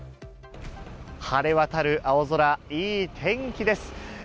晴れ渡る青空、いい天気です。